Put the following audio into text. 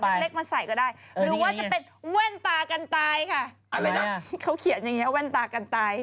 บางบ้านเป็นน้ำบาดาเขื่อเหม็นแก่